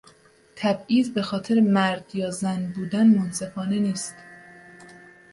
تبعیض به خاطر مرد یا زن بودن منصفانه نیست.